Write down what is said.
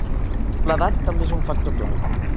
L'edat també és un factor clau.